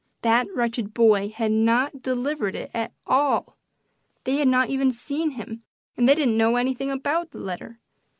That wretched boy had not delivered it at all! They had not even seen him, and they didn't know anything about the letter.